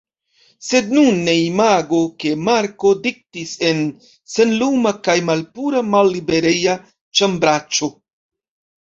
Sed nun ne imagu, ke Marko diktis en senluma kaj malpura mallibereja ĉambraĉo!